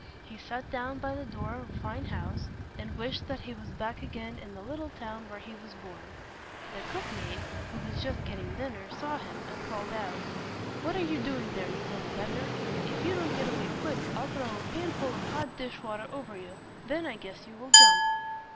He sat down by the door of a fine house, and wished that he was back again in the little town where he was born. The cook maid, who was just getting dinner, saw him, and called out, "What are you doing there, you little beggar? If you don't get away quick, I'll throw a panful of hot dish water over you. Then I guess you will jump."